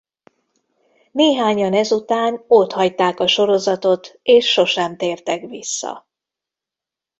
Néhányan ezután otthagyták a sorozatot és sosem tértek vissza.